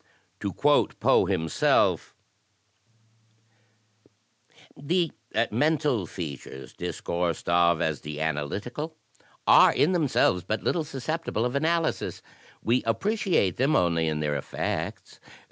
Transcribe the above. To quote Poe himself: "The mental features discoursed of as the analytical are, in themselves, but little susceptible of analysis. We appre ciate them only in their effects.